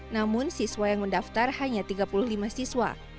namun siswa yang mendaftar hanya tiga puluh lima siswa